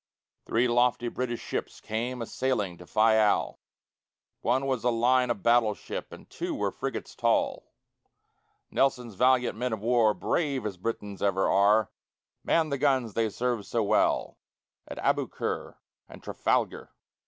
Three lofty British ships came a sailing to Fayal: One was a line of battle ship, and two were frigates tall; Nelson's valiant men of war, brave as Britons ever are, Manned the guns they served so well at Aboukir and Trafalgar.